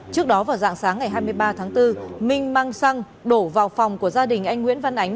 trước đó vào dạng sáng ngày hai mươi ba tháng bốn minh mang xăng đổ vào phòng của gia đình anh nguyễn văn ánh